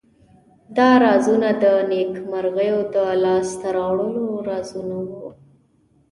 دا رازونه د نیکمرغیو د لاس ته راوړلو رازونه وو.